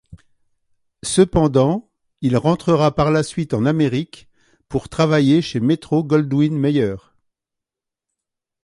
Cependant, il rentrera par la suite en Amérique pour travailler chez Metro-Goldwyn-Mayer.